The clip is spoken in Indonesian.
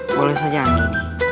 boleh saja anggini